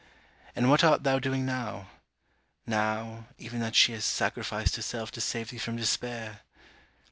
And what art thou doing now? Now, even that she has sacrificed herself to save thee from despair?